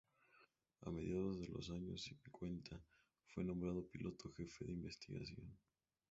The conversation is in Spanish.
A mediados de los años cincuenta, fue nombrado Piloto Jefe de Investigación.